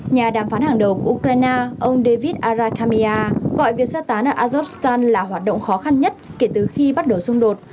nhà đàm phán hàng đầu của ukraine ông david arakhammya gọi việc sơ tán ở azokstan là hoạt động khó khăn nhất kể từ khi bắt đầu xung đột